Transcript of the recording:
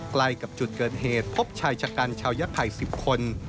ใกล้กับจุดเกิดเหตุพบชายชะกันชาวยะไผ่๑๐คน